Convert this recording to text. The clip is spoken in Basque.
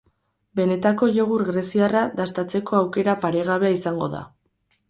Benetako jogurt greziarra dastatzeko aukera paregabea izango da.